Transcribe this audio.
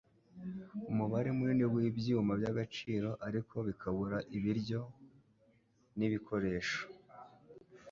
umubare munini wibyuma byagaciro ariko bikabura ibiryo n'ibikoresho